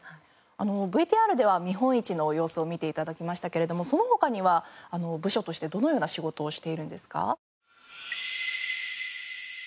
ＶＴＲでは見本市の様子を見て頂きましたけれどもその他には部署としてどのような仕事をしているんですか？